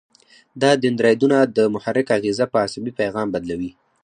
دا دندرایدونه د محرک اغیزه په عصبي پیغام بدلوي.